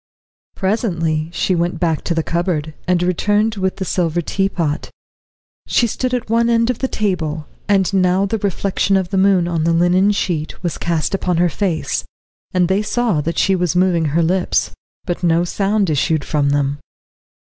Presently she went back to the cupboard, and returned with the silver teapot. She stood at one end of the table, and now the reflection of the moon on the linen sheet was cast upon her face, and they saw that she was moving her lips but no sound issued from them.